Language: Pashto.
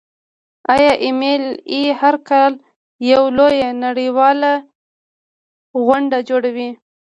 ایم ایل اې هر کال یوه لویه نړیواله غونډه جوړوي.